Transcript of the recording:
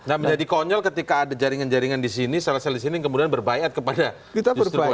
nah menjadi konyol ketika ada jaringan jaringan disini selesai disini kemudian berbayat kepada justru pola isis